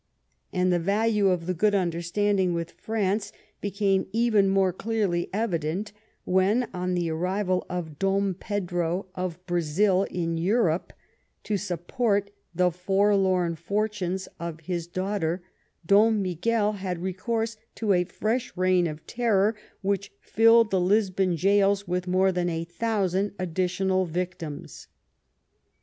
And the value of the good understanding with France became even more clearly evident when, on the arrival of Dom Pedro of Brazil in Europe to support the forlorn fortunes of his daughter, Dom Miguel had recourse to a fresh reign of terror, which filled the Lisbon gaols with more than a thousand additional victims.